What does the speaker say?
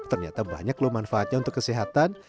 ternyata banyak loh manfaatnya untuk kesehatan